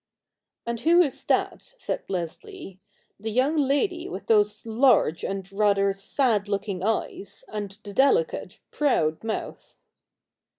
jf ' And who is that,' said Leslie, ' the young lady with those large and rather sad looking eyes, and the delicate, proud mouth